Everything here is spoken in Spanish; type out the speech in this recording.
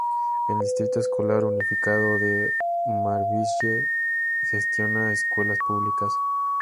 El Distrito Escolar Unificado de Marysville gestiona escuelas públicas.